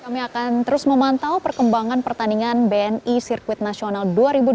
kami akan terus memantau perkembangan pertandingan bni sirkuit nasional dua ribu dua puluh